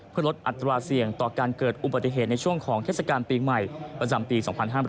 เพื่อลดอัตราเสี่ยงต่อการเกิดอุบัติเหตุในช่วงของเทศกาลปีใหม่ประจำปี๒๕๕๙